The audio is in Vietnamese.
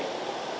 từ cái mức độ